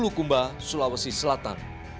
di kulukumba sulawesi selatan